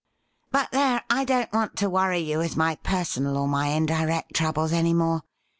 But there, I don't want to worry you with my personal or my indirect troubles any more.